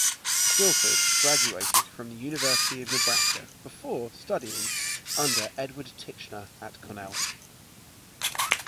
Guilford graduated from the University of Nebraska before studying under Edward Titchener at Cornell.